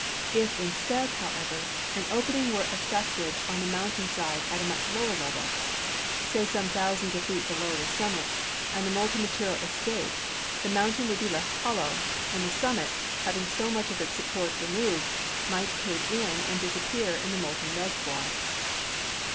If instead, however, an opening were effected on the mountain side at a much lower level — say some thousands of feet below the sum mit— ^and the molten material escaped, the mountain would be left hollow, and the summit, having so much of its support re moved, might cave in and disappear in the molten reservoir.